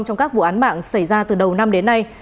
trong các vụ án mạng xảy ra từ đầu năm đến nay